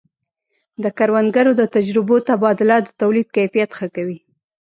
د کروندګرو د تجربو تبادله د تولید کیفیت ښه کوي.